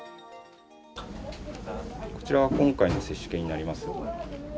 こちらが今回の接種券になります。